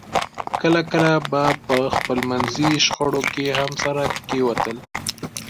کله کله به په خپلمنځي شخړو کې هم سره کېوتل